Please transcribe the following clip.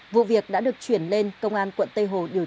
vụ việc đã được chuyển lên ông sơn đã trả lời cho công an phường xuân la